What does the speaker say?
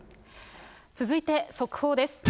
続いて速報です。